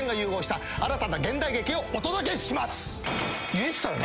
言えてたよね。